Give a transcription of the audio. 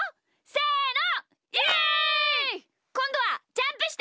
せの！